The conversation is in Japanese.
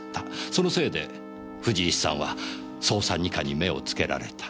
そのせいで藤石さんは捜査二課に目をつけられた。